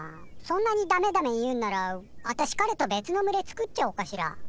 そんなに「ダメダメ」言うんなら私彼と別の群れ作っちゃおうかしら？